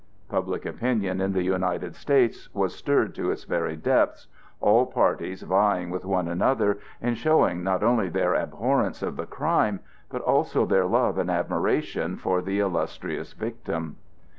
Public opinion in the United States was stirred to its very depths, all parties vying with one another in showing not only their abhorrence of the crime, but also their love and admiration for the illustrious victim.